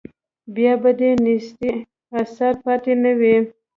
بیا به د نیستۍ اثر پاتې نه وي.